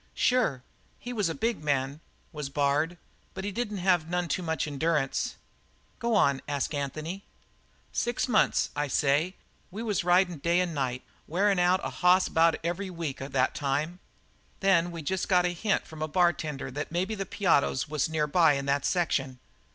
"Sure. He was a big man, was Bard, but he didn't have none too much endurance." "Go on," nodded Anthony. "Six months, I say, we was ridin' day and night and wearin' out a hoss about every week of that time. Then we got jest a hint from a bartender that maybe the Piottos was nearby in that section.